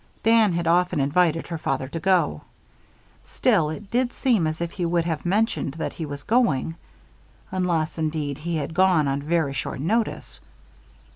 Dan had often invited her father to go. Still, it did seem as if he would have mentioned that he was going; unless, indeed, he had gone on very short notice.